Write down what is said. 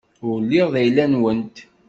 Ur lliɣ d ayla-nwent.